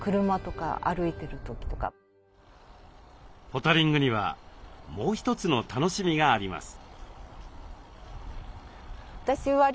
ポタリングにはもう一つの楽しみがあります。